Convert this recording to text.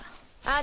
あ！